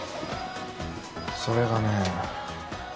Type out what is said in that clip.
それがね。